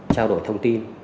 trao đổi thông tin